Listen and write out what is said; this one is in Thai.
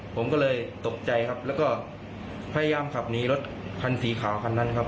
ผมก็เลยตกใจครับแล้วก็พยายามขับหนีรถคันสีขาวคันนั้นครับ